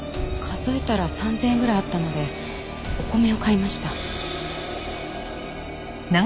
数えたら３０００円ぐらいあったのでお米を買いました。